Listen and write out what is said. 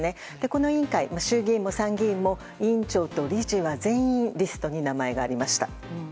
この委員会、衆議院も参議院も委員長と理事は全員リストに名前がありました。